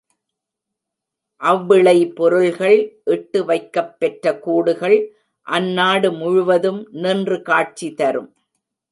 அவ்விளை பொருள்கள் இட்டு வைக்கப் பெற்ற கூடுகள், அந்நாடு முழுவதும் நின்று காட்சி தரும்.